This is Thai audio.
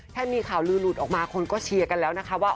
ถ้ามีข่าวลือหลุดออกมาคนก็เชียร์กันแล้วนะคะว่า